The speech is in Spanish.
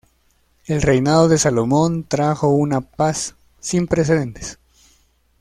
El reinado de Salomón trajo una paz sin precedentes.